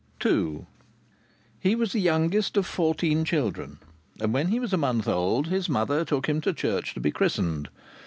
II He was the youngest of fourteen children, and when he was a month old his mother took him to church to be christened.